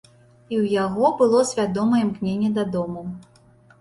І ў яго было свядомае імкненне дадому.